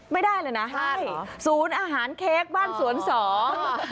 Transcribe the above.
ไม่ได้เลยนะใช่ศูนย์อาหารเค้กบ้านสวนสอง